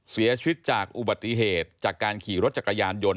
เสียชีวิตจากอุบัติเหตุจากการขี่รถจักรยานยนต์